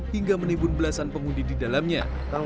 hingga menibun belasan pengundi di dalamnya